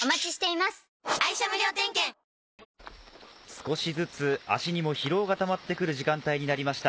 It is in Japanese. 少しずつ、足にも疲労がたまってくる時間帯になりました。